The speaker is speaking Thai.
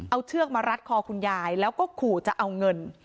เอาเชือกมารัดคอคุณยายแล้วก็ขู่จะเอาเงิน